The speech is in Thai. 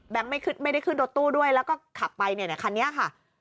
ไม่ได้ขึ้นรถตู้ด้วยแล้วก็ขับไปเนี่ยคันนี้ค่ะ